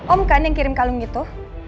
om kan yang kirim kalung itu